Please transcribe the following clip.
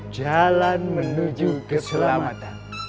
jalan menuju keselamatan